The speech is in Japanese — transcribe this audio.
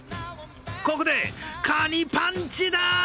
ここでカニパンチだ！